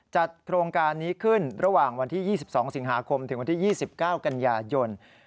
จัดโครงการนี้ขึ้นระหว่างวันที่๒๒สิงหาคมถึงวันที่๒๙กันยายน